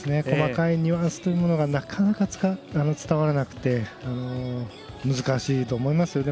細かいニュアンスというものがなかなか伝わらなくて難しいと思います。